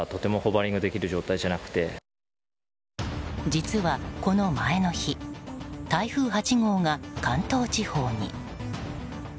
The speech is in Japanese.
実は、この前の日台風８号が関東地方に。